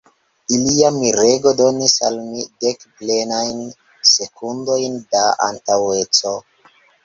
Ilia mirego donis al mi dek plenajn sekundojn da antaŭeco.